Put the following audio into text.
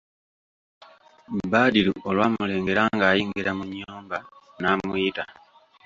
Badru olwamulengera ng'ayingira mu nnyumba n'amuyita.